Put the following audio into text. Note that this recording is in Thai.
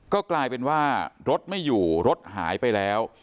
ก็กลายเป็นว่ารถไม่อยู่รถหายไปแล้ว